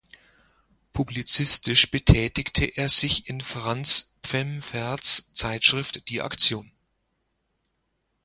Publizistisch betätigte er sich in Franz Pfemferts Zeitschrift „Die Aktion“.